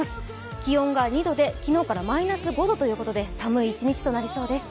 気温が２度で、昨日からマイナス５度ということで寒い一日となりそうです。